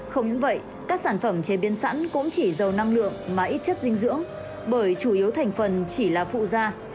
không những vậy các sản phẩm chế biến sẵn cũng chỉ giàu năng lượng mà ít chất dinh dưỡng bởi chủ yếu thành phần chỉ là phụ da